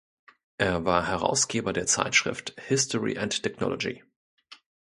Er war Herausgeber der Zeitschrift "History and Technology".